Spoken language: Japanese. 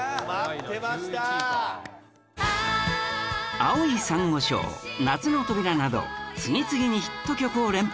『青い珊瑚礁』『夏の扉』など次々にヒット曲を連発